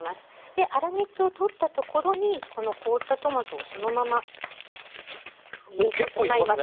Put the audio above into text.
で粗熱を取ったところにこの凍ったトマトをそのまま入れてしまいます。